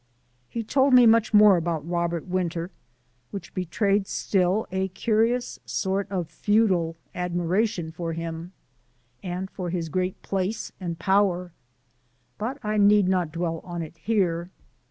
He told me much more about Robert Winter which betrayed still a curious sort of feudal admiration for him, and for his great place and power; but I need not dwell on it here.